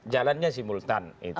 jalannya simultan itu